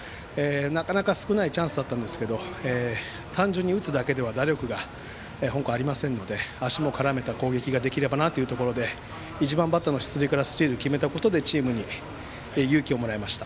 なかなか少ないチャンスだったんですけど単純に打つだけでは打力がありませんので足も絡めた攻撃ができればなというところで１番バッターの出塁からスチールを決めたことでチームに勇気をもらいました。